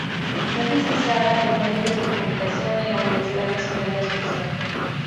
Es licenciada en Medios de Comunicación, en la Universidad Nacional de Asunción.